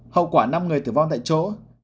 hậu quả năm người tử vong tại chỗ